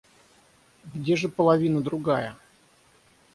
Где же половина другая?